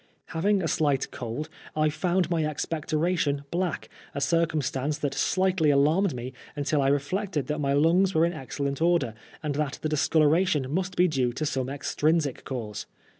Having a slight cold, I found my expectoration black, a circumstance that slightly alarmed me until I reflected that my lungs were in excellent order, and that the discoloration must be due to some extrinsic cause.